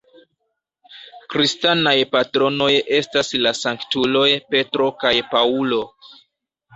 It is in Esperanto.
Kristanaj patronoj estas la sanktuloj Petro kaj Paŭlo.